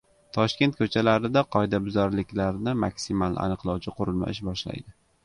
Toshkent ko‘chalarida qoidabuzarlikni maksimal aniqlovchi qurilma ish boshlaydi